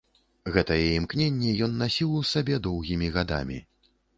Гэтае імкненне ён насіў у сабе доўгімі гадамі.